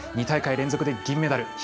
２大会連続で銀メダル。